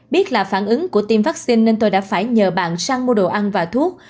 biết là phản ứng của tiêm vaccine nên tôi đã phải nhờ bạn sang mua đồ ăn và thuốc